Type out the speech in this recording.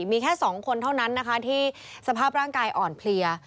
มีแค่๒คนเท่านั้นนะคะที่สภาพร่างกายอ่อนเพลีย